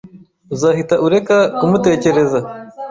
Uzahita ureka kumutekereza